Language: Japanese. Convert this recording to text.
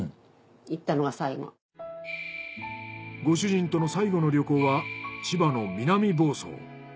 ご主人との最後の旅行は千葉の南房総。